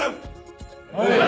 はい。